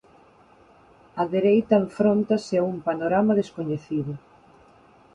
A dereita enfróntase a un panorama descoñecido.